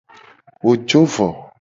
Wo jo vo.